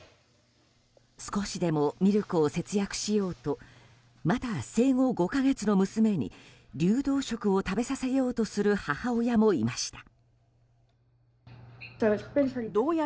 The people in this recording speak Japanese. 少しでもミルクを節約しようとまだ生後５か月の娘に流動食を食べさせようとする母親もいました。